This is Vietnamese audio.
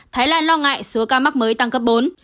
thái lan lo ngại số ca mắc mới tăng cấp bốn